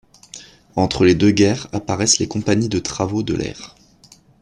Entre les deux guerres apparaissent les compagnies de Travaux de l'Air.